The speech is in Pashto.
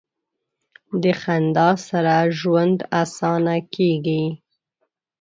د خندا سره ژوند اسانه کیږي.